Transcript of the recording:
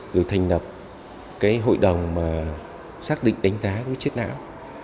rồi thành nập hội đồng xác định đánh giá chết não